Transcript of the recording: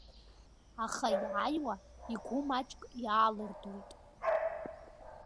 Аха иааиуа игәы маҷк иаалырдоит.